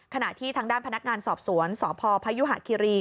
ขณะที่ทางด้านพนักงานสอบสวนสพพยุหะคิรี